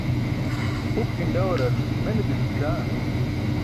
Huk ginḍawarar mene dilk gi̇c̣aan?